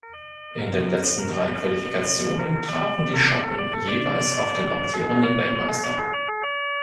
In den letzten drei Qualifikationen trafen die Schotten jeweils auf den amtierenden Weltmeister.